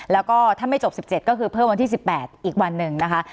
แล้วก็ถ้าไม่จบ๑๗ก็คือเพิ่มวันที่๑๘อีกวันหนึ่งนะคะ